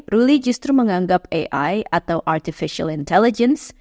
ruli justru menganggap ai atau artificial intelligence